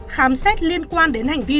khám xét liên quan đến hành vi